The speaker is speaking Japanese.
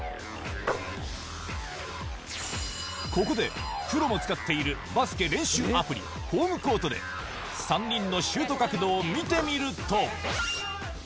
ここでプロも使っているバスケ練習アプリ、ホームコートで、３人のシュート角度を見てみると。